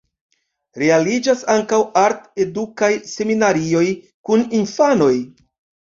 Realiĝas ankaŭ art-edukaj seminarioj kun infanoj.